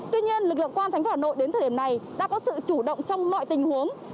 tuy nhiên lực lượng quan tp hà nội đến thời điểm này đã có sự chủ động trong mọi tình huống